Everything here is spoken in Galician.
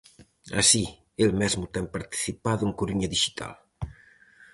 Así, el mesmo ten participado en Coruña Dixital.